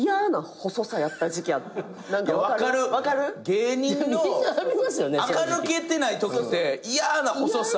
芸人のあか抜けてないときって嫌な細さ。